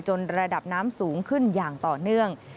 ระดับน้ำสูงขึ้นอย่างต่อเนื่อง